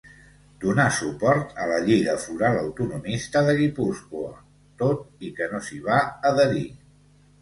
Donà suport la Lliga Foral Autonomista de Guipúscoa, tot i que no s'hi va adherir.